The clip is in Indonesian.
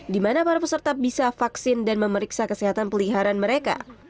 di mana para peserta bisa vaksin dan memeriksa kesehatan peliharaan mereka